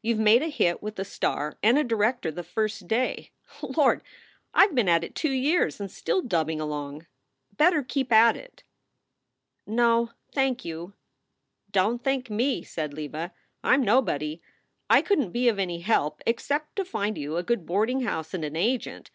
You ve made a hit with a star and a director the first day. Lord! I ve been at it two years and still dubbing along. Better keep at it." "No, thank you." " Don t thank me !" said Leva. "I m nobody. I couldn t be of any help except to find you a good boarding house and an agent.